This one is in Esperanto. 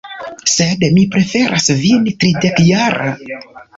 Sed mi preferas vin tridekjara.